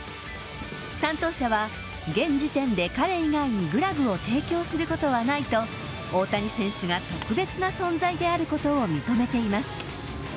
担当者は、現時点で彼以外にグラブを提供することはないと大谷選手が特別な存在であることを認めています。